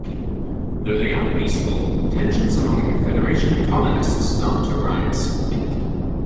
Though they are peaceful, tensions among the Federation and colonists start to rise.